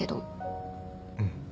うん。